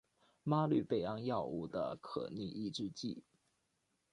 吗氯贝胺药物的可逆抑制剂。